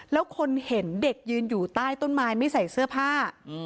แล้วคนเห็นเด็กยืนอยู่ใต้ต้นไม้ไม่ใส่เสื้อผ้า